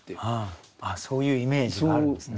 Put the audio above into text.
あっそういうイメージがあるんですね。